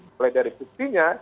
mulai dari buktinya